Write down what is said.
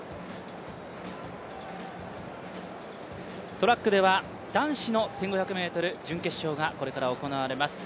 トラックでは男子の１５００ｍ準決勝がこれから行われます。